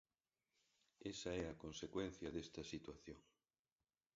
Esa é a consecuencia desta situación.